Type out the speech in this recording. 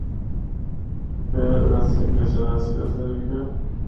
فر اسّیں پیر چناسی اسطے نِکلیاں۔